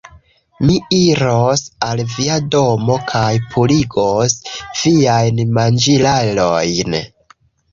Mi iros al via domo kaj purigos viajn manĝilarojn